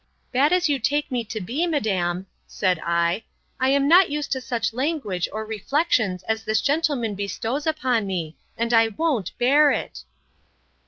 —Bad as you take me to be, madam, said I, I am not used to such language or reflections as this gentleman bestows upon me; and I won't bear it.